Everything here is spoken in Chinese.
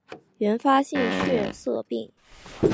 原发性血色病